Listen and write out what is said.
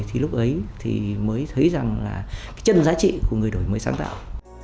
thì lúc ấy thì mới thấy rằng là chân giá trị của người đổi mới sáng tạo